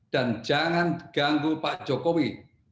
dan jangan ganggu pak jokowi